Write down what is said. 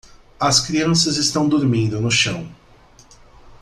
As crianças estão dormindo no chão.